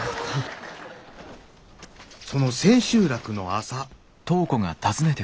その千秋楽の朝。